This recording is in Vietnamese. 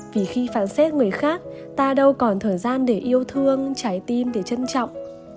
vì khi phản xéc người khác ta đâu còn thời gian để yêu thương trái tim để trân trọng